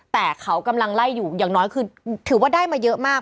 แต่เขากำลังไล่อยู่อย่างน้อยคือถือว่าได้มาเยอะมาก